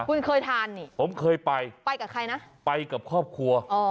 คุณเคยทานนี่ผมเคยไปไปกับใครนะไปกับครอบครัว